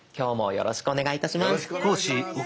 よろしくお願いします。